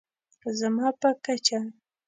زما په کچه